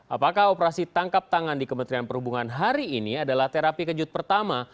apakah operasi tangkap tangan di kementerian perhubungan hari ini adalah terapi kejut pertama